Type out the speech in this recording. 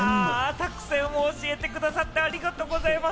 作戦を教えてくださって、ありがとうございます！